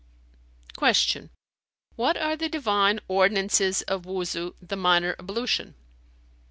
Q "What are the Divine ordinances of Wuzu, the minor ablution?"